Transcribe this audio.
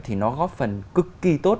thì nó góp phần cực kỳ tốt